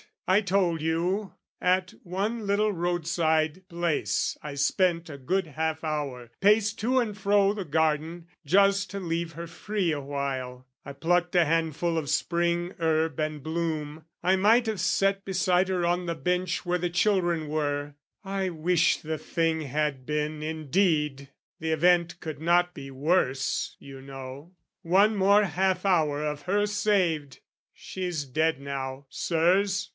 I told you, at one little roadside place I spent a good half hour, paced to and fro The garden; just to leave her free awhile, I plucked a handful of Spring herb and bloom: I might have sat beside her on the bench Where the children were: I wish the thing had been, Indeed: the event could not be worse, you know: One more half hour of her saved! She's dead now, Sirs!